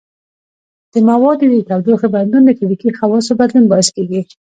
د موادو د تودوخې بدلون د فزیکي خواصو بدلون باعث کیږي.